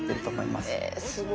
すごい！